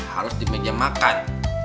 harus di meja makan